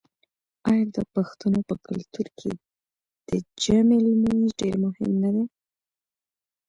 آیا د پښتنو په کلتور کې د جمعې لمونځ ډیر مهم نه دی؟